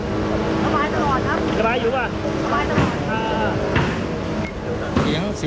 ได้แล้วได้แล้ว